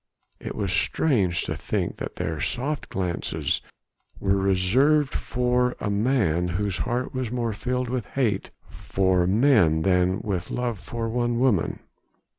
It was strange to think that their soft glances were reserved for a man whose heart was more filled with hate for men than with love for one woman.